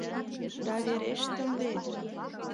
— Да верештым вет!